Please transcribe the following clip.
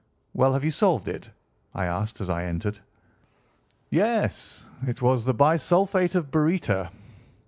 "Well, have you solved it?" I asked as I entered. "Yes. It was the bisulphate of baryta."